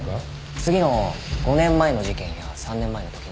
次の５年前の事件や３年前の時には。